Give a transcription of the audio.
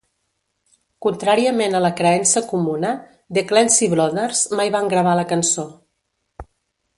Contràriament a la creença comuna, The Clancy Brothers mai van gravar la cançó.